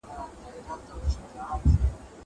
زه به سبا زده کړه وکړم.